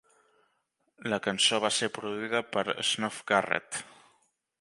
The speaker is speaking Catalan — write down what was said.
La cançó va ser produïda per Snuff Garrett.